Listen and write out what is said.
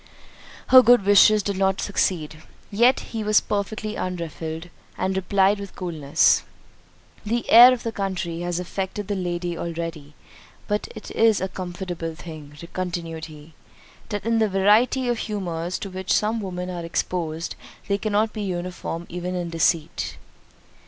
Her good wishes did not succeed—yet he was perfectly unruffled, and replied with coolness, "The air of the country has affected the lady already—but it is a comfortable thing," continued he, "that in the variety of humours to which some women are exposed, they cannot be uniform even in deceit."